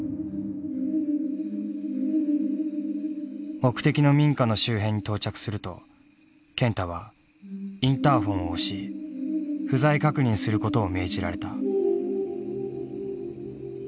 目的の民家の周辺に到着すると健太はインターホンを押し不在確認することを命じられた。